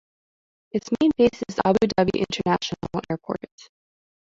Its main base is Abu Dhabi International Airport.